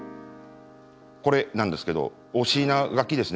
これなんですけどおしながきですね。